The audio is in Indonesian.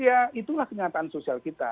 ya itulah kenyataan sosial kita